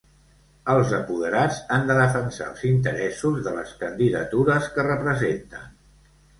Els apoderats han de defensar els interessos de les candidatures que representen.